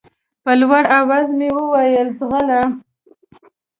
په لوړ اواز مې وويل ځغله.